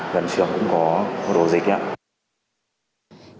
gần trường cũng có một đồ dịch